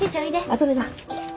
あとでな。